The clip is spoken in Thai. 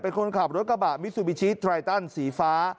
เป็นคนขับรถกระบะมิซูบิชิไตรตันสีฟ้า